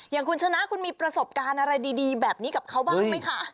อย่างคุณชนะคุณมีประสบการณ์อะไรดีแบบนี้กับเขาบ้างไหมคะ